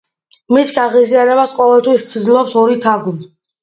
მის გაღიზიანებას ყოველთვის ცდილობს ორი თაგვი.